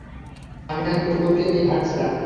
আমি আমার কুকুরকে নিয়ে হাঁটছিলাম!